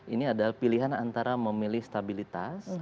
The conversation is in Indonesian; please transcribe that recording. ini adalah pilihan antara memilih stabilitas